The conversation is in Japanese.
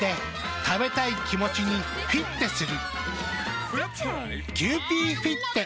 食べたい気持ちにフィッテする。